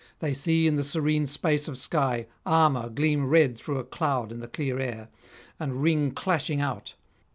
They see in the serene space of sky armour gleam red through a cloud in the clear air, and ring clashing out.